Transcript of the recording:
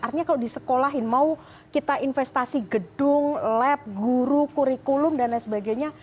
artinya kalau disekolahin mau kita investasi gedung lab guru kurikulum dan lain sebagainya